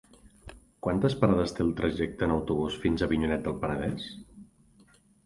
Quantes parades té el trajecte en autobús fins a Avinyonet del Penedès?